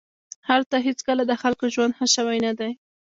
هلته هېڅکله د خلکو ژوند ښه شوی نه دی